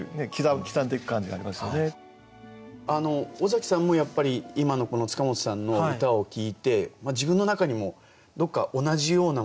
尾崎さんもやっぱり今のこの本さんの歌を聞いて自分の中にもどっか同じようなものっていうのを感じるんじゃないですか。